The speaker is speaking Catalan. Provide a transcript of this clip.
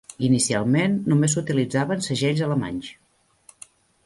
Inicialment només s'utilitzaven segells alemanys.